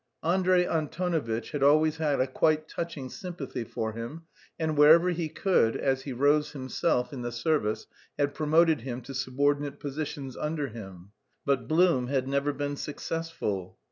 Andrey Antonovitch had always had a quite touching sympathy for him, and wherever he could, as he rose himself in the service, had promoted him to subordinate positions under him; but Blum had never been successful.